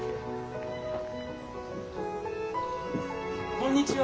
・こんにちは。